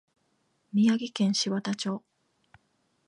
宮城県柴田町